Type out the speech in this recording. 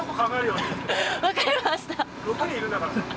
分かりました。